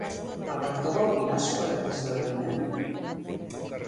El rector va opinar sobre aquest esdeveniment?